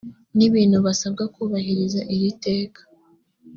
n ibintu basabwe kubahiriza iri teka